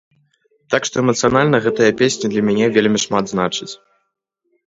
Так што эмацыянальна гэтая песня для мяне вельмі шмат значыць.